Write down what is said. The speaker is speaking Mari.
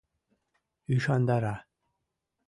Ӱшандара.